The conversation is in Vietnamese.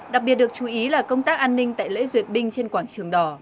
đặc biệt được chú ý là công tác an ninh tại lễ duyệt binh trên quảng trường đỏ